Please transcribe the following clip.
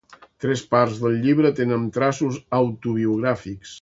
Les tres parts del llibre tenen traços autobiogràfics.